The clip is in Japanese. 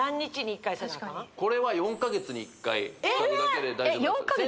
これは４か月に１回使うだけで大丈夫なんです